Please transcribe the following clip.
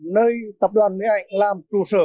nơi tập đoàn mỹ hạnh làm trụ sở